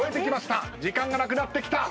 時間がなくなってきた。